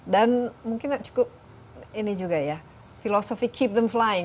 dan mungkin cukup ini juga ya philosophy keep them flying